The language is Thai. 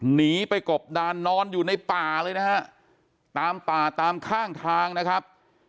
หนีไปกบดานนอนอยู่ในป่าเลยนะฮะตามป่าตามข้างทางนะครับ